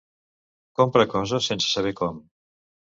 Compra coses sense saber com.